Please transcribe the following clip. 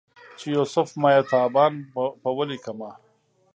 چې یوسف ماه تابان په ولیکمه